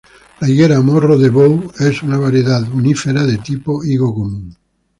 La higuera 'Morro de Bou' es una variedad unífera de tipo higo común.